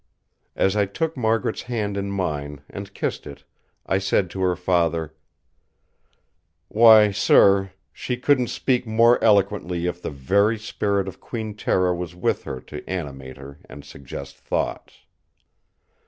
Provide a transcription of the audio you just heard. As I took Margaret's hand in mine and kissed it, I said to her father: "Why, sir! she couldn't speak more eloquently if the very spirit of Queen Tera was with her to animate her and suggest thoughts!"